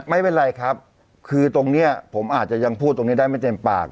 ไม่เป็นไรครับคือตรงนี้ผมอาจจะยังพูดตรงนี้ได้ไม่เต็มปาก